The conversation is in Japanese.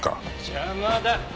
邪魔だ！